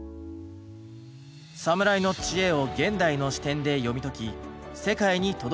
サムライの知恵を現代の視点で読み解き世界に届ける番組。